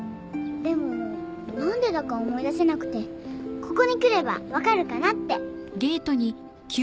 でも何でだか思い出せなくてここに来れば分かるかなって。